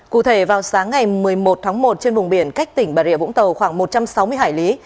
cụ thể vào sáng ngày một mươi một tháng một trên vùng biển cách tỉnh bà rịa vũng tàu khoảng một trăm sáu mươi hải lý